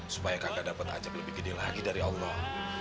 supaya kagak dapet ajab lebih gede lagi dari allah